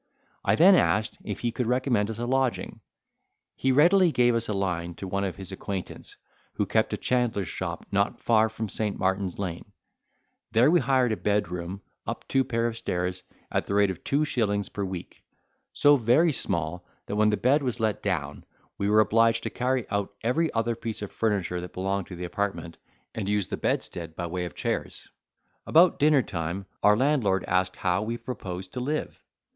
I then asked, if he could recommend us a lodging. He really gave us a line to one of his acquaintance who kept a chandler's shop not far from St. Martin's Lane; there we hired a bed room, up two pair of stairs, at the rate of two shillings per week, so very small, that when the bed was let down, we were obliged to carry out every other piece of furniture that belonged to the apartment, and use the bedstead by way of chairs. About dinner time, our landlord asked how we proposed to live?